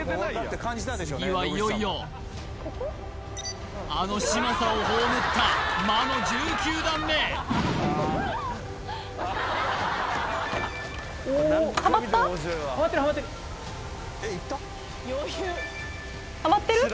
次はいよいよあの嶋佐を葬った魔の１９段目ハマってるハマってるハマってる？